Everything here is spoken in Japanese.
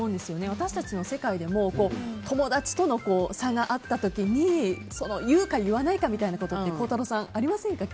私たちの世界でも友達との差があった時に言うか言わないかって孝太郎さん、ありませんか？